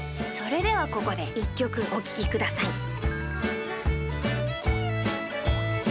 それではここで１きょくおききください。